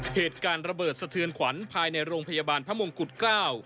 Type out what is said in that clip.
เหตุการณ์ระเบิดสะเทือนขวัญภายในโรงพยาบาลพระมงกุฎเกล้า